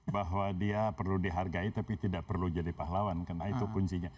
bahwa dia perlu dihargai tapi tidak perlu jadi pahlawan karena itu kuncinya